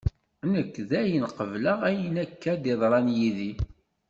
Nekk dayen qebleɣ ayen akka d-yeḍran yid-i.